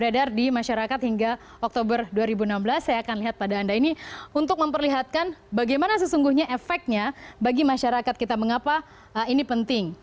saya akan lihat pada anda ini untuk memperlihatkan bagaimana sesungguhnya efeknya bagi masyarakat kita mengapa ini penting